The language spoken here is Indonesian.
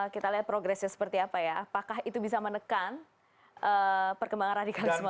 kita lihat progresnya seperti apa ya apakah itu bisa menekan perkembangan radikalisme